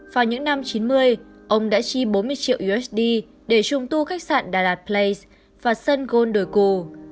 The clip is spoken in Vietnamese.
vào những năm một nghìn chín trăm chín mươi ông đã chi bốn mươi triệu usd để trung tu khách sạn đà lạt place và sun gold đồi cù